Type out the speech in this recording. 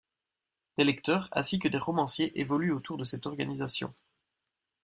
Des lecteurs ainsi que des romanciers évoluent autour de cette organisation.